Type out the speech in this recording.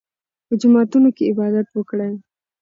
په جوماتونو کې عبادت وکړئ.